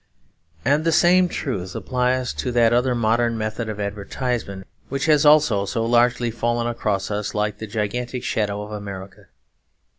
And the same truth applies to that other modern method of advertisement, which has also so largely fallen across us like the gigantic shadow of America.